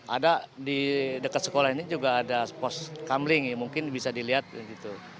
ada di dekat sekolah ini juga ada pos kamling mungkin bisa dilihat gitu